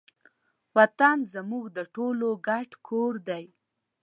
وطن زموږ د ټولو ګډ کور دی.